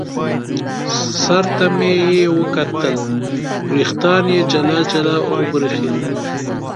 سر ته مې یې وکتل، وریښتان یې جلا جلا او برېښېدل.